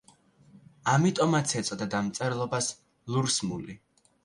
ამიტომაც ეწოდება დამწერლობას ლურსმული.